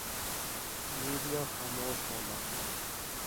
media خاموش ہونا